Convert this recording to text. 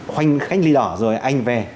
khoanh cách ly đỏ rồi anh về